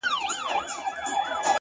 • د څپو د زور یې نه ول مړوندونه,